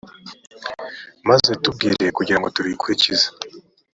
maze uritubwire, kugira ngo turikurikize.